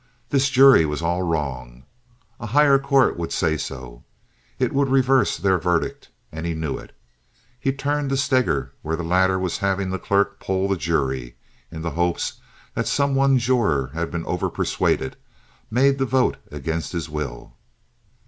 This jury was all wrong. A higher court would say so. It would reverse their verdict, and he knew it. He turned to Steger, where the latter was having the clerk poll the jury, in the hope that some one juror had been over persuaded, made to vote against his will.